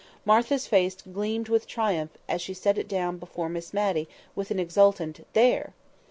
Martha's face gleamed with triumph as she set it down before Miss Matty with an exultant "There!"